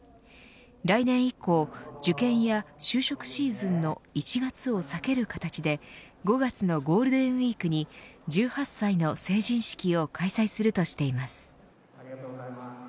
来年以降、受験や就職シーズンの１月を避ける形で５月のゴールデンウィークに１８歳の成人式を開催するとしています。